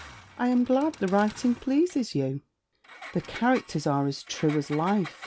'I am glad the writing pleases you.' 'The characters are as true as life!'